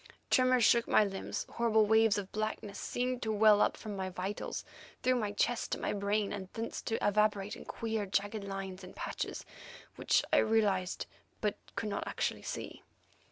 Tremors shook my limbs; horrible waves of blackness seemed to well up from my vitals, through my breast to my brain, and thence to evaporate in queer, jagged lines and patches, which I realized, but could not actually see.